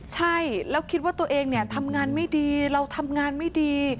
ใช่แล้วคิดว่าตัวเองเนี่ยทำงานไม่ดีเราทำงานไม่ดี